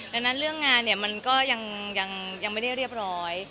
ดังนั้นเรื่องงานเนี่ยมันก็ยังไม่ได้เรียบร้อย